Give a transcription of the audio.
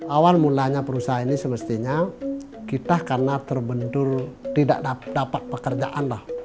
awal mulanya perusahaan ini semestinya kita karena terbentur tidak dapat pekerjaan lah